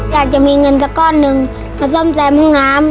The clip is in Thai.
อยากจะมีเงินสักก้อนหนึ่งมาซ่อมแซมห้องน้ำ